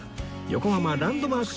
横浜ランドマーク